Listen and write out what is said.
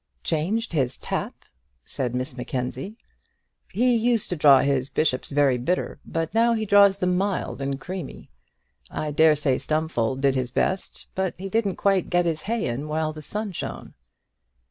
"Changed his tap!" said Miss Mackenzie. "He used to draw his bishops very bitter, but now he draws them mild and creamy. I dare say Stumfold did his best, but he didn't quite get his hay in while the sun shone."